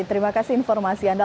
terima kasih informasi anda